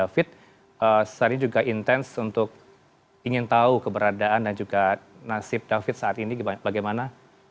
dan david seharian juga intens untuk ingin tahu keberadaan dan juga nasib david saat ini bagaimana